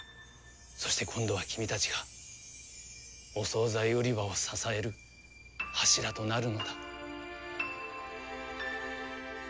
そして今度は君たちがお総菜売り場を支える柱となるのだ。